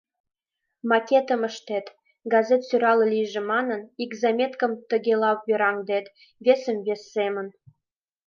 Макетым ыштет, газет сӧрале лийже манын, ик заметкым тыгела вераҥдет, весым вес семын...